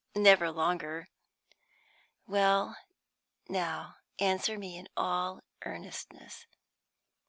Never longer." "Well now, answer me in all earnestness.